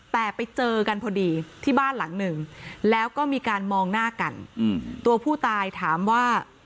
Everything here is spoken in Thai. แต่ไปเจอกันพอดีที่บ้านหลังหนึ่งแล้วก็มีการมองหน้ากันตัวผู้ตายถามว่า